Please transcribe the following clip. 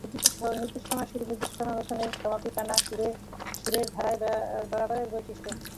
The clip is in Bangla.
নির্দিষ্ট সময়ে শুরু, নির্দিষ্ট সময়ে অনুষ্ঠানের সমাপ্তি টানা সুরের ধারার বরাবরের বৈশিষ্ট্য।